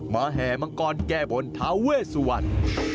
แห่มังกรแก้บนทาเวสวรรณ